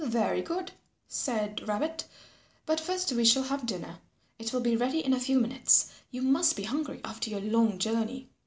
"Very good," said Rabbit, "but first we shall have dinner. It will be ready in a few minutes. You must be hungry after your long journey."